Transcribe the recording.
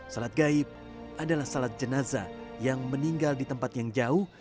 salat gaib adalah salat jenazah yang meninggal di tempat yang jauh